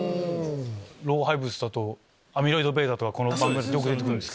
老廃物だとアミロイドβとかこの番組よく出てくるんです。